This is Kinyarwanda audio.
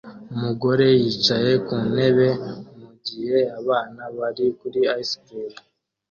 Umugore yicaye ku ntebe mu gihe abana bariye ice cream